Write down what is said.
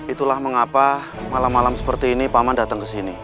itulah mengapa malam malam seperti ini paman datang ke sini